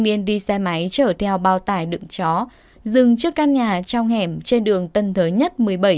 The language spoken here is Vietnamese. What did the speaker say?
biên đi xe máy chở theo bao tải đựng chó dừng trước căn nhà trong hẻm trên đường tân thới nhất một mươi bảy